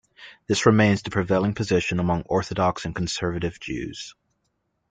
This remains the prevailing position among Orthodox and Conservative Jews.